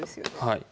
はい。